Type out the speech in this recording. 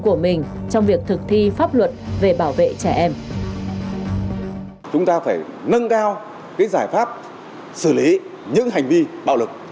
chúng ta phải nâng cao cái giải pháp xử lý những hành vi bạo lực